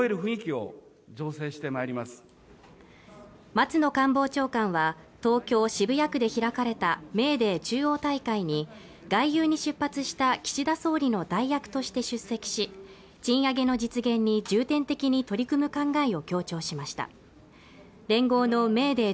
松野官房長官は東京・渋谷区で開かれたメーデー中央大会に外遊に出発した岸田総理の代役として出席し賃上げの実現に重点的に取り組む考えを強調しました連合のメーデー